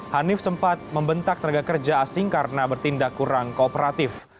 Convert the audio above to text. hanif sempat membentak tenaga kerja asing karena bertindak kurang kooperatif